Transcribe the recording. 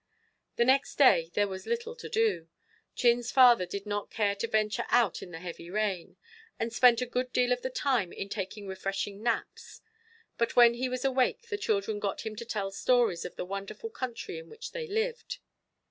The next day there was little to do. Chin's father did not care to venture out in the heavy rain, and spent a good deal of the time in taking refreshing naps. But when he was awake the children got him to tell stories of the wonderful country in which they lived.